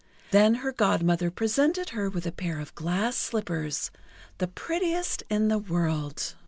Then her Godmother presented her with a pair of glass slippers, the prettiest in the world.